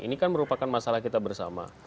ini kan merupakan masalah kita bersama